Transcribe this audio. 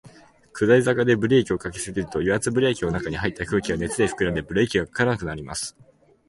下り坂でブレーキを掛けすぎると、油圧ブレーキの中に入った空気が熱で膨らんで、ブレーキが掛からなくなります。